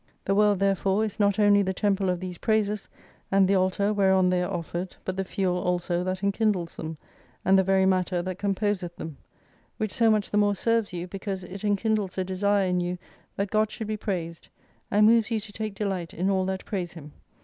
The world therefore is not only the Temple of these praises, and the Altar whereon they are offered, but the fuel also that enkindles them, and the very matter that com poseth them. Which so much the more serves you, because it enkindles a desire in you that God should be praised, and moves you to take delight in all that praise Him.